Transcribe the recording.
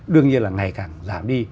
đương nhiên là ngày càng giảm đi